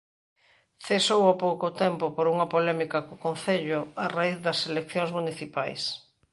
Cesou ao pouco tempo por unha polémica co Concello a raíz das eleccións municipais.